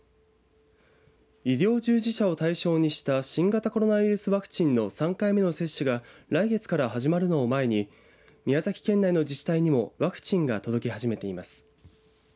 医療従事者を対象にした新型コロナウイルスワクチンの３回目の接種が来月から始まるのを前に宮崎県内の自治体にもワクチンが届き始めています。